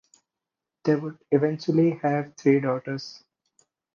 They would eventually have three daughters.